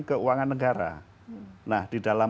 keuangan negara nah di dalam